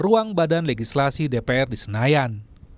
kemudian dipercaya keadaan legislasi dpr di senayan